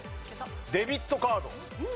デビットカード。